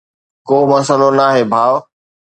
ڪو مسئلو ناهي ڀاءُ.